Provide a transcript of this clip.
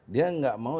dia nggak mau